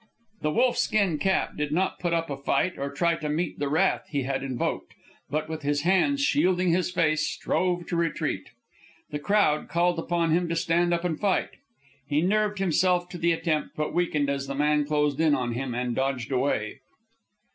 The wolf skin cap did not put up a fight or try to meet the wrath he had invoked, but, with his hands shielding his face, strove to retreat. The crowd called upon him to stand up and fight. He nerved himself to the attempt, but weakened as the man closed in on him, and dodged away.